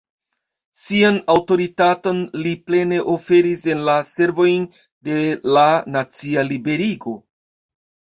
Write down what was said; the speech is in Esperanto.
Sian aŭtoritaton li plene oferis en la servojn de la nacia liberigo.